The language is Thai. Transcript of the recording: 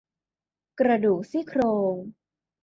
กระดูกซี่โครง